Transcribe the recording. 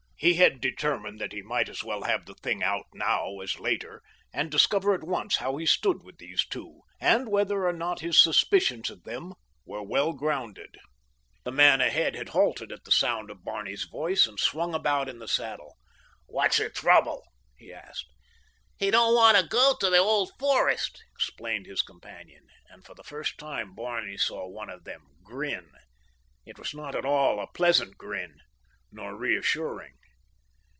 He had determined that he might as well have the thing out now as later, and discover at once how he stood with these two, and whether or not his suspicions of them were well grounded. The man ahead had halted at the sound of Barney's voice, and swung about in the saddle. "What's the trouble?" he asked. "He don't want to go to the Old Forest," explained his companion, and for the first time Barney saw one of them grin. It was not at all a pleasant grin, nor reassuring.